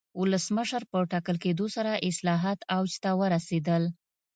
ولسمشر په ټاکل کېدو سره اصلاحات اوج ته ورسېدل.